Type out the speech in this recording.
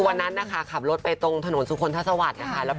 วันนั้นค่ะขับรถไปตรงถนนสูคคลธสวัสดีฮะ